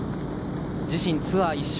自身ツアー１勝。